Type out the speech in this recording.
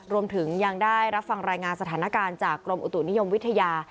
รวมถึงยังได้รับฟังรายงานสถานการณ์จากกรมอุตุนิยมวิทยา